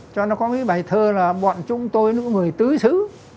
cho nó có bài thơ là bọn chúng tôi là những người tứ sứ